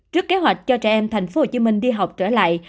trước kế hoạch cho trẻ em tp hcm đi học trở lại